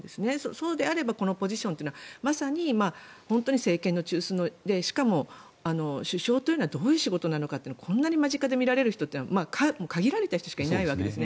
そうであれば、このポジションはまさに政権の中枢でしかも首相というのはどういう仕事なのかというのをこんな間近で見られる人は限られた人しかいないわけです。